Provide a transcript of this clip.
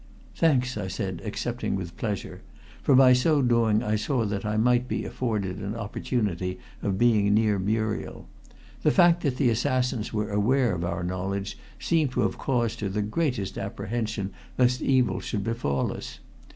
"Thanks," I said, accepting with pleasure, for by so doing I saw that I might be afforded an opportunity of being near Muriel. The fact that the assassins were aware of our knowledge seemed to have caused her the greatest apprehension lest evil should befall us.